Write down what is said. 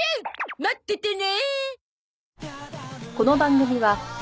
待っててね！